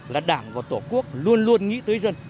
là đảng và tổ quốc luôn luôn nghĩ tới dân